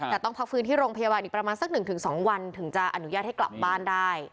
แต่ต้องพักฟื้นที่โรงพยาบาลอีกประมาณสัก๑๒วันถึงจะอนุญาตให้กลับบ้านได้